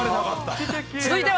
続いては。